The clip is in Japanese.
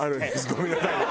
ごめんなさいね。